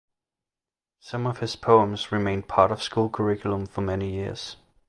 Some of his poems remained part of school curriculum for many years.